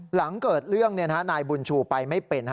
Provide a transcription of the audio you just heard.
หลังเกิดเรื่องนายบุญชูไปไม่เป็น